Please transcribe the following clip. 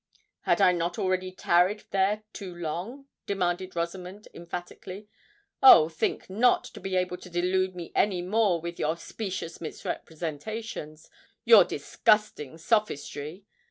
"Had I not already tarried there too long?" demanded Rosamond emphatically. "Oh! think not to be able to delude me any more with your specious misrepresentations—your disgusting sophistry!